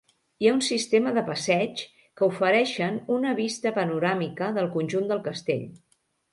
Hi ha un sistema de passeigs que oferixen una vista panoràmica del conjunt del castell.